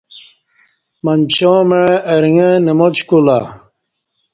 منچاں مع ارݣہ نماچ کولہ